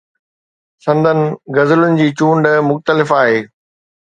سندن غزلن جي چونڊ مختلف آهي.